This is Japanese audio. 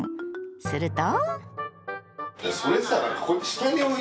すると。